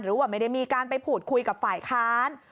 หรือว่าไม่ได้มีการไปพูดคุยกับฝ่ายค้าน